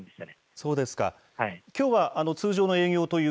そうですか。